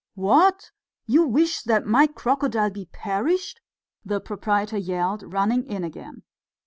"What! You wish that my crocodile be perished!" the proprietor yelled, running in again.